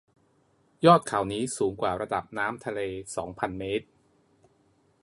ยอดเขานี้สูงกว่าระดับน้ำทะเลสองพันเมตร